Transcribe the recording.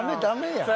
やん。